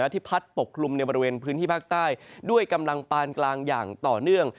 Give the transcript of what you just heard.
ที่พัดปกคลุมในบริเวณพื้นที่ภาคใต้ด้วยกำลังปานกลางอย่างต่อเนื่อง